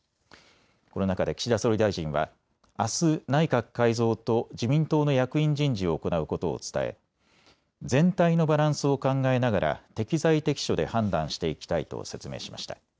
この中で岸田総理大臣はあす内閣改造と自民党の役員人事を行うことを伝え全体のバランスを考えながら適材適所で判断していきたいと説明しました。